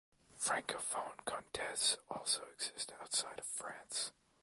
Francophone contes also exist outside of France.